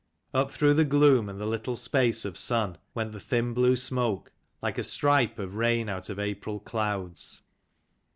Up through the gloom and the little space of sun went the thin blue smoke, like a stripe of rain out of April clouds.